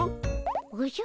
おじゃ？